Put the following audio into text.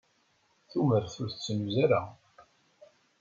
Tumert ur tettnuzu ara.